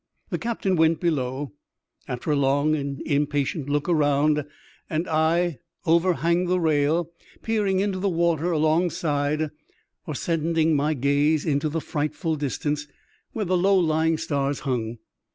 The captain went below, after a long, impatient look round, and I overhang the rail, peering into the water alongside, or sending my gaze into the frightful distance, where the low lying stars hung.